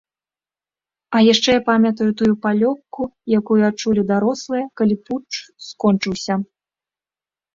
А яшчэ я памятаю тую палёгку, якую адчулі дарослыя, калі путч скончыўся.